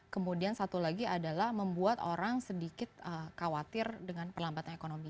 kemudian satu lagi adalah membuat orang sedikit khawatir dengan perlambatan ekonomi